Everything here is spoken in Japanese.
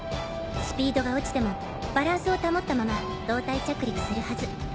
スピードが落ちてもバランスを保ったまま胴体着陸するはず。